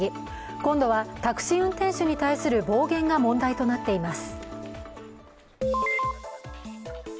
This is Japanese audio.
今度はタクシー運転手に対する暴言が問題となっています。